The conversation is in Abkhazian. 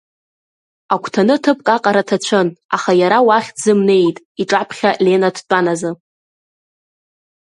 Агәҭаны ҭыԥк аҟара ҭацәын, аха иара уахь дзымнеит, иҿаԥхьа Лена дтәан азы.